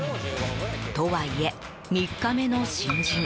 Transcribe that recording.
とはいえ、３日目の新人。